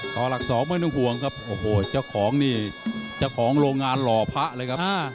ต่อหลักสองไม่ต้องห่วงครับโอ้โหเจ้าของนี่เจ้าของโรงงานหล่อพระเลยครับ